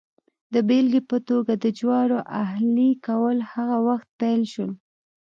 د بېلګې په توګه د جوارو اهلي کول هغه وخت پیل شول